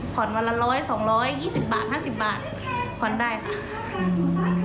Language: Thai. ผ่อนวันละ๑๐๐บาท๒๐๐บาท๒๐บาท๕๐บาทผ่อนได้ค่ะ